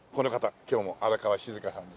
今日も荒川静香さんです。